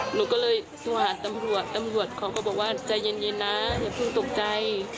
หนูก็เลยโทรหาตำรวจตำรวจเขาก็บอกว่าใจเย็นนะอย่าเพิ่งตกใจ